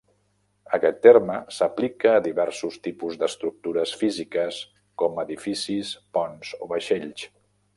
Aquest terme s'aplica a diversos tipus d'estructures físiques, com edificis, ponts o vaixells.